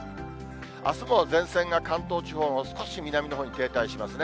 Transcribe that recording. あすも前線が関東地方の少し南のほうに停滞しますね。